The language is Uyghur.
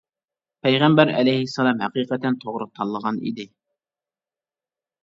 پەيغەمبەر ئەلەيھىسسالام ھەقىقەتەن توغرا تاللىغان ئىدى.